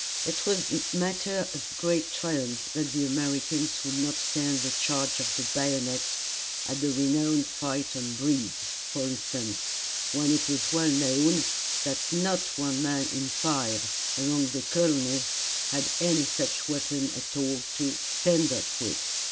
It was matter of great triumph that the Americans would not stand the charge of the bayonet at the renowned fight on Breed's, for instance, when it is well known that not one man in five among the colonists had any such weapon at all to "stand up" with.